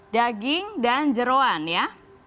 daging dan jeruan ya